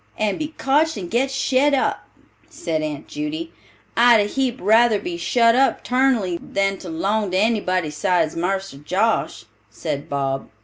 "And be cotched and git shet up," said Aunt Judy. "I'd a heap rather be shet up 'tarnally than to 'long to anybody 'sides Marster Josh," said Bob.